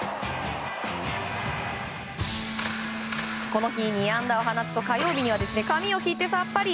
この日、２安打を放つと火曜日には髪を切ってさっぱり。